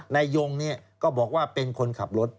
นายยงก็บอกว่าเป็นคนขับรถ